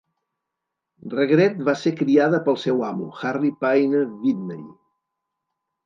Regret va ser criada pel seu amo, Harry Payne Whitney.